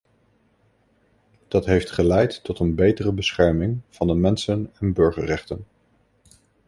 Dat heeft geleid tot een betere bescherming van de mensen- en burgerrechten.